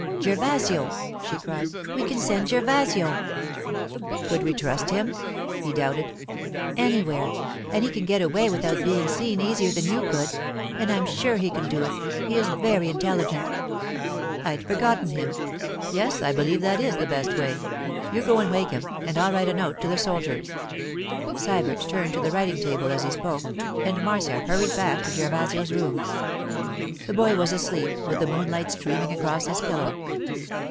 'Gervasio!' she cried. 'We can send Gervasio.' 'Could we trust him?' he doubted. 'Anywhere! And he can get away without being seen easier than you could. I am sure he can do it; he is very intelligent.' 'I'd forgotten him. Yes, I believe that is the best way. You go and wake him, and I'll write a note to the soldiers.' Sybert turned to the writing table as he spoke, and Marcia hurried back to Gervasio's room. The boy was asleep, with the moonlight streaming across his pillow.